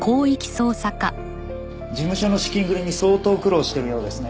事務所の資金繰りに相当苦労してるようですね。